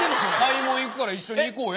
「買い物行くから一緒に行こうや」。